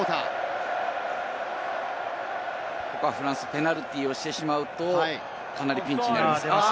ここはフランス、ペナルティーをしてしまうと、かなりピンチになります。